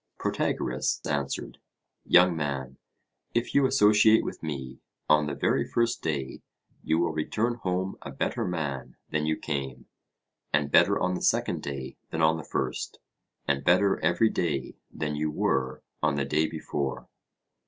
Protagoras answered: Young man, if you associate with me, on the very first day you will return home a better man than you came, and better on the second day than on the first, and better every day than you were on the day before.